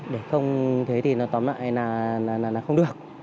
để không thế thì nó tóm lại là không được